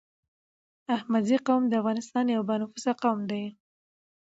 احمدزی قوم دي افغانستان يو با نفوسه قوم دی